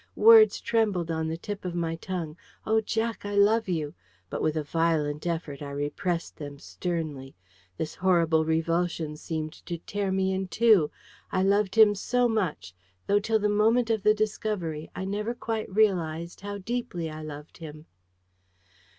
Words trembled on the tip of my tongue: "Oh, Jack, I love you!" But with a violent effort, I repressed them sternly. This horrible revulsion seemed to tear me in two. I loved him so much. Though till the moment of the discovery, I never quite realised how deeply I loved him.